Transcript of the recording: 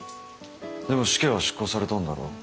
でも死刑は執行されたんだろ？